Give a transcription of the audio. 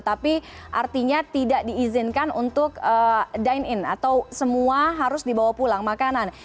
tapi artinya tidak diizinkan untuk dine in atau semua harus dibawa pulang makanan